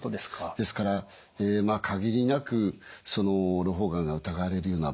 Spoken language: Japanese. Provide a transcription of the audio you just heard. ですから限りなくろ胞がんが疑われるような場合ですね